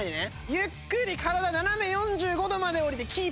ゆっくり体斜め４５度まで下りてキープです。